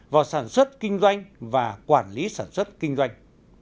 vào sản xuất kinh doanh và quản lý sản xuất kinh doanh